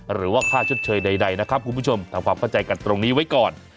หรือว่าค่าชดเชยใดนะครับคุณผู้ชมทำความเข้าใจกันตรงนี้ไว้ก่อน